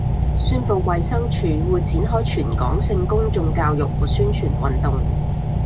宣布衞生署會展開全港性的公眾教育和宣傳運動